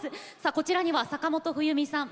こちらには、坂本冬美さん